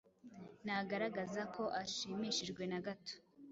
Ntagaragaza ko ashimishijwe na gato